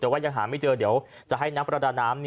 แต่ว่ายังหาไม่เจอเดี๋ยวจะให้นักประดาน้ำ